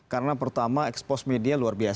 karena pertama expose media luar biasa ya